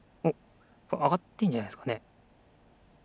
あがってんじゃないですかね？